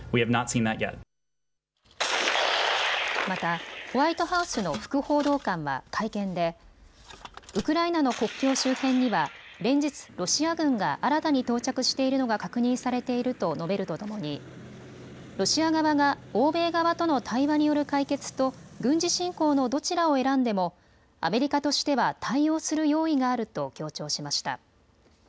また、ホワイトハウスの副報道官は会見でウクライナの国境周辺には連日、ロシア軍が新たに到着しているのが確認されていると述べるとともにロシア側が欧米側との対話による解決と軍事侵攻のどちらを選んでもアメリカとしては対応する用意があると強調しました。